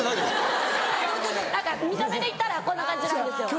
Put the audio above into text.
何か見た目でいったらこんな感じなんですよ。